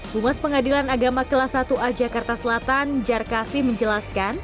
humas pengadilan agama kelas satu a jakarta selatan jarkasih menjelaskan